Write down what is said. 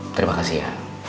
terima kasih ya